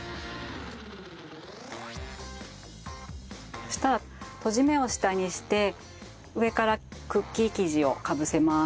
そしたらとじ目を下にして上からクッキー生地をかぶせます。